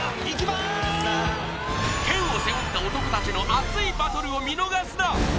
県を背負った男たちの熱いバトルを見逃すな！